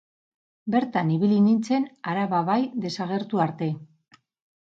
Bertan ibili nintzen Araba Bai desagertu arte.